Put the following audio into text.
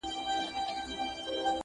راته مه راکوه زېری د ګلونو د ګېډیو!!